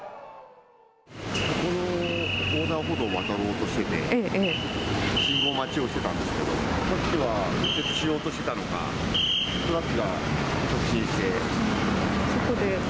そこの横断歩道を渡ろうとしてて、信号待ちをしてたんですけど、タクシーは右折しようとしてたのか、そこで？